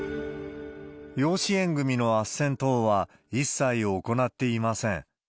養子縁組みのあっせん等は、一切行っていません。